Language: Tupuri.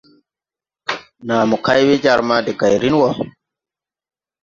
Nàa mo kay we jar ma de gayrin wɔ.